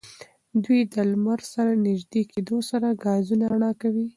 دوی له لمر سره نژدې کېدو سره ګازونه رڼا کوي.